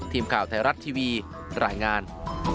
ทีมข่าวไทยรัฐทีวีรายงาน